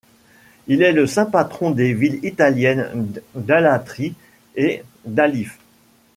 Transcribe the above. Il est le saint patron des villes italiennes d'Alatri et d'Alife.